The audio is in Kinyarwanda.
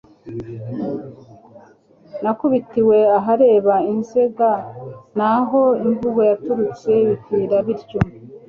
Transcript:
nakubitiwe ahareba i Nzega'; ni aho imvugo yaturutse bikwira bityo.”